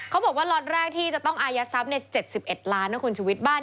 เขาบอกว่าล็อตแรกที่จะต้องอายัดทรัพย์๗๑ล้านนะคุณชุวิตบ้าน